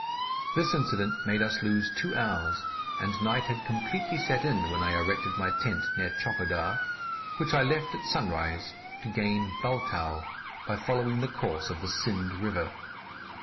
This incident made us lose two hours, and night had completely set in when I erected my tent near Tchokodar, which I left at sunrise to gain Baltal, by following the course of the Sind river.